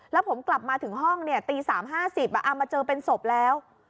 แล้วผมกลับมาถึงห้องตี๓๕๐มาเจอเป็นศพแล้ว